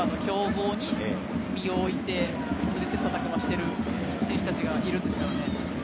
本当にヨーロッパの強豪に身を置いて切磋琢磨している選手たちがいるんですからね。